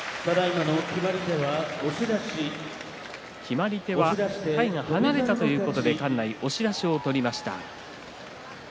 決まり手は体が離れたということで館内、押し出しを取りました。